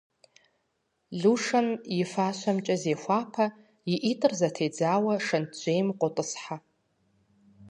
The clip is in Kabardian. Лушэм и фащэмкӏэ зехуапэ, и ӏитӏыр зэтедзауэ шэнтжьейм къотӏысхьэ.